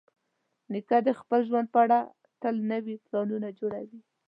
نیکه د خپل ژوند په اړه تل نوي پلانونه جوړوي.